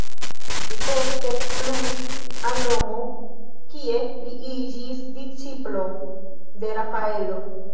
Li poste pluis al Romo, kie li iĝis disĉiplo de Rafaelo.